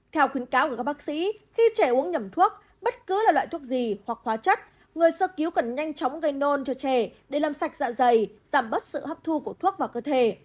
theo khuyến cáo của các bác sĩ khi trẻ uống nhầm thuốc bất cứ là loại thuốc gì hoặc hóa chất người sơ cứu cần nhanh chóng gây nôn cho trẻ để làm sạch dạ dày giảm bớt sự hấp thu của thuốc vào cơ thể